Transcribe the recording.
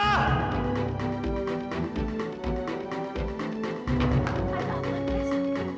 ada apa yes